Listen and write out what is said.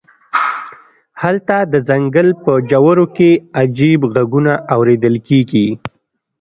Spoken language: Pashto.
هلته د ځنګل په ژورو کې عجیب غږونه اوریدل کیږي